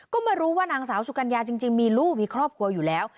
ก็มารู้ว่านางสาวสุกัญญาจริงมีลูกมีครอบครัวอยู่แล้ว